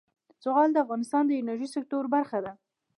زغال د افغانستان د انرژۍ سکتور برخه ده.